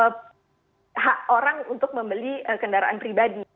sebenarnya kalau misalnya hak orang untuk membeli kendaraan pribadi